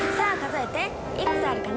いくつあるかな？